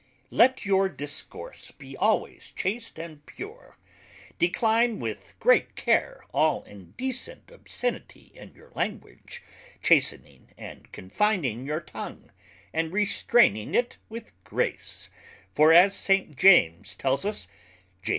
Let your discourse be alwayes chast and pure: Decline with great care all undecent obscenity in your language, chastening and confining your tongue, and restraining it with Grace; for, as St. James tells us, Jam.